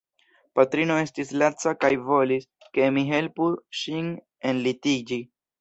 Patrino estis laca kaj volis ke mi helpu ŝin enlitiĝi.